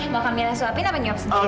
mau kak mila suapin apa nyuap sendiri